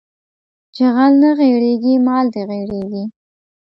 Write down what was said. چې غل نه غېړيږي مال دې غېړيږي